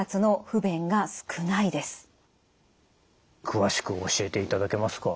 詳しく教えていただけますか？